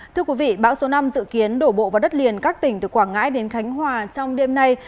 thưa quý vị bão số năm dự kiến đổ bộ vào đất liền các tỉnh từ quảng ngãi đến khánh hòa trong đêm nay